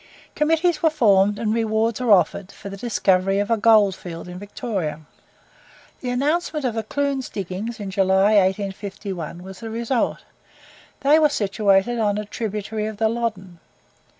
Committees were formed, and rewards were offered for the discovery of a gold field in Victoria. The announcement of the Clunes Diggings in July, 1851, was the result; they were situated on a tributary of the Loddon.